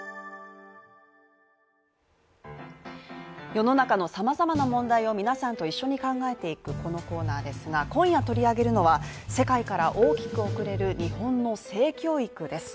世の中の様々な問題を皆さんと一緒に考えていくこのコーナーですが今夜取り上げるのは世界から大きく遅れる日本の性教育です。